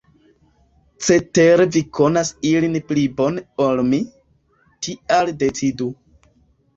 Cetere vi konas ilin pli bone ol mi, tial decidu.